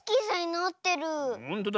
ほんとだ。